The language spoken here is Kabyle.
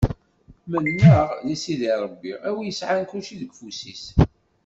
Menneɣ di Sidi Ṛebbi a wi yesɛan kulci deg ufus-is.